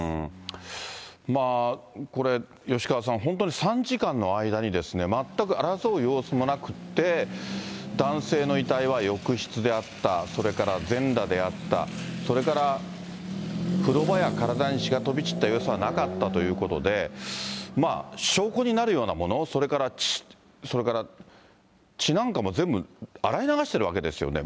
これ、吉川さん、本当に３時間の間にですね、全く争う様子もなくって、男性の遺体は浴室であった、それから全裸であった、それから風呂場や体に血が飛び散った様子はなかったということで、証拠になるようなもの、それから血なんかも全部洗い流してるわけですよね。